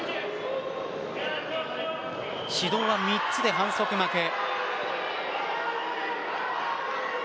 指導は３つで反則負け。